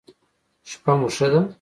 شپه مو ښه ده